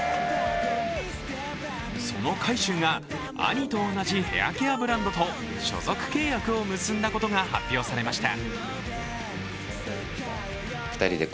その海祝が兄と同じヘアケアブランドと所属契約を結んだことが発表されました。